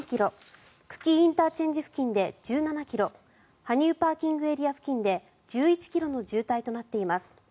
久喜ＩＣ付近で１７ｋｍ羽生ＰＡ付近で１１ｋｍの渋滞となっています。